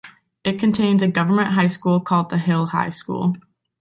It contains a government high school, called The Hill High School.